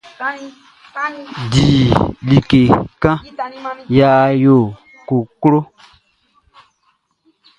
Di like kan ya koklo.